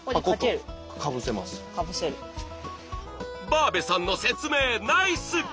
バーベさんの説明ナイス！